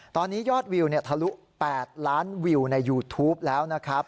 ตอนนี้ยอดวิวทะลุ๘ล้านวิวในยูทูปแล้วนะครับ